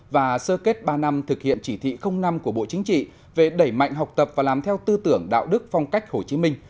và sơ kết ba năm thực hiện chỉ thị năm của bộ chính trị về đẩy mạnh học tập và làm theo tư tưởng đạo đức phong cách hồ chí minh